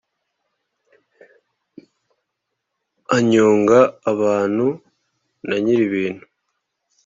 anyonga abantu na nyir’ibintu